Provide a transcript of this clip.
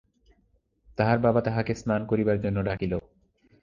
তাহার বাবা তাহাকে স্নান করিবার জন্য ডাকিল।